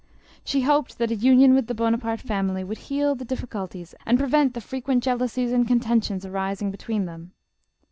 She hoped that a union with the Bonaparte famih', would heal the difficulties and prevent the frequent jealousies and contentions arising between them.